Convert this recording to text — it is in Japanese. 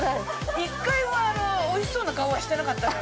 ◆一回も、おいしそうな顔はしてなかったのよ。